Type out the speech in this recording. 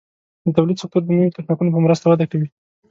د تولید سکتور د نوي تخنیکونو په مرسته وده کوي.